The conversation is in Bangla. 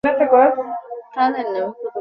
এটা আমাদের গোত্রের দেবতা।